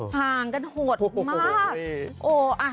ห่างกันหดมาก